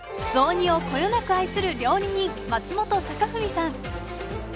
雑煮をこよなく愛する料理人松本栄文さん。